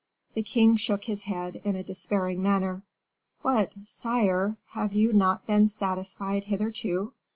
The king shook his head in a despairing manner. "What, sire! have you not been satisfied hitherto?"